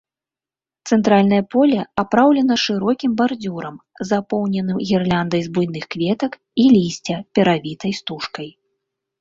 Цэнтральнае поле апраўлена шырокім бардзюрам, запоўненым гірляндай з буйных кветак і лісця, перавітай стужкай.